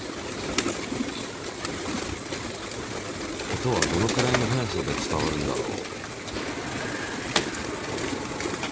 音はどのくらいの速さで伝わるんだろう？